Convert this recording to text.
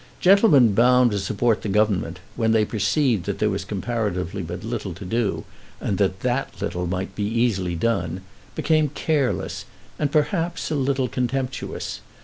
Gentlemen bound to support the Government, when they perceived that there was comparatively but little to do, and that that little might be easily done, became careless, and, perhaps, a little contemptuous.